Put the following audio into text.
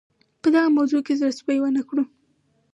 په دغه موضوع کې زړه سوی ونه کړو.